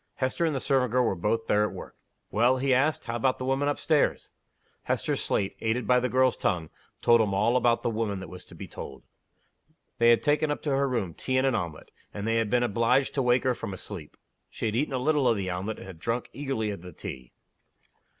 Hester and the servant girl were both there at work. "Well?" he asked. "How about the woman up stairs?" Hester's slate, aided by the girl's tongue, told him all about "the woman" that was to be told. They had taken up to her room tea and an omelet; and they had been obliged to wake her from a sleep. She had eaten a little of the omelet, and had drunk eagerly of the tea.